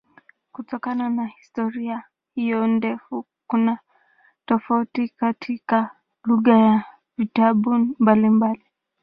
Kutokana na historia hiyo ndefu kuna tofauti katika lugha ya vitabu mbalimbali.